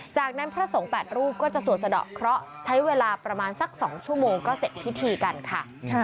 จากนั้นพระสงฆ์๘รูปก็จะสวดสะดอกเคราะห์ใช้เวลาประมาณสัก๒ชั่วโมงก็เสร็จพิธีกันค่ะ